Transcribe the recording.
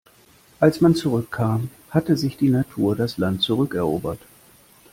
Als man zurückkam, hatte sich die Natur das Land zurückerobert.